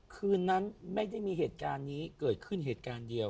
คืนนั้นไม่ได้มีเหตุการณ์นี้เกิดขึ้นเหตุการณ์เดียว